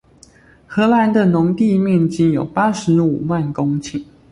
荷蘭的農地面積有八十五萬公頃